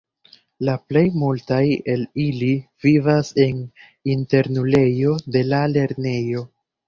La plej multaj el ili vivas en internulejo de la lernejo.